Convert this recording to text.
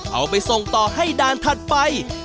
เอาไปส่งต่อให้ด่านถัดไป